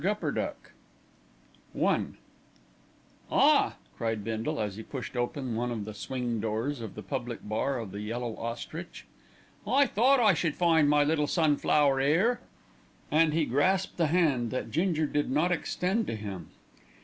GUPPERDUCK I "Ah!" cried Bindle as he pushed open one of the swing doors of the public bar of The Yellow Ostrich. "I thought I should find my little sunflower 'ere," and he grasped the hand that Ginger did not extend to him.